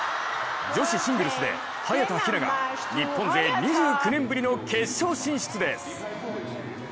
女子シングルスで早田ひなが日本勢２９年ぶりの決勝進出です。